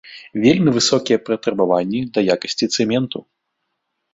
Вельмі высокія патрабаванні да якасці цэменту.